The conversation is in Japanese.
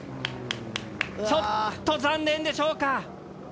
ちょっと残念でしょうか。